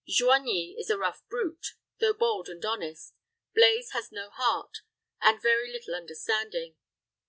Joigni is a rough brute, though bold and honest. Blaize has no heart, and very little understanding.